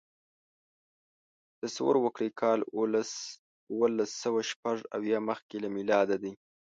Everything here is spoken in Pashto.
تصور وکړئ کال اوولسسوهشپږاویا مخکې له میلاده دی.